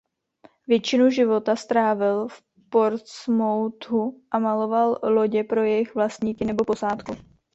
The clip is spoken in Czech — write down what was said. Většinu života strávil v Portsmouthu a maloval lodě pro jejich vlastníky nebo posádku.